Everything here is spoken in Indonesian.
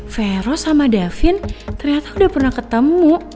vero sama davin ternyata udah pernah ketemu